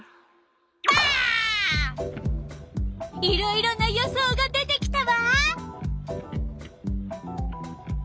いろいろな予想が出てきたわ！